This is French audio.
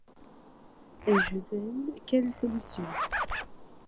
Et Josiane, quelle solution !